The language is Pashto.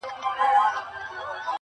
• ته هم چایې په توده غېږ کي نیولی؟ -